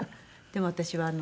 でも私は。